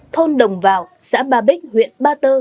thôn đồng vào xã ba bích huyện ba tơ